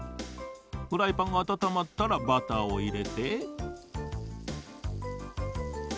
フライパンがあたたまったらバターをいれて。